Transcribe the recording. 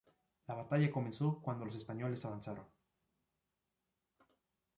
La batalla comenzó cuando los españoles avanzaron.